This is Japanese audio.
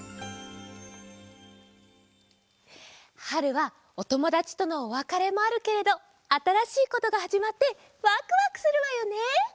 春はおともだちとのおわかれもあるけれどあたらしいことがはじまってワクワクするわよね！